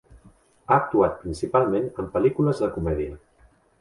Ha actuat principalment en pel·lícules de comèdia.